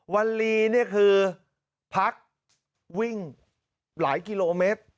วันลีนี่คือพักวิ่งหลายกิโลเมตร